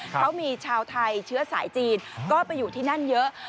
เขามีชาวไทยเชื้อสายจีนก็ไปอยู่ที่นั่นเยอะ